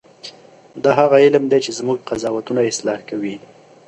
دا هغه علم دی چې زموږ قضاوتونه اصلاح کوي.